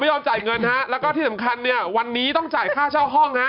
ยอมจ่ายเงินฮะแล้วก็ที่สำคัญเนี่ยวันนี้ต้องจ่ายค่าเช่าห้องฮะ